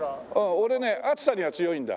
俺ね暑さには強いんだ。